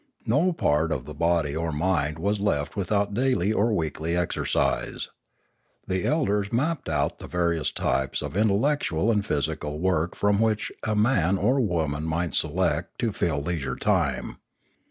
No part of the body or mind was left without daily or weekly exercise. The elders mapped out the various types of intellectual and phy sical work from which a man or woman might select to fill leisure time.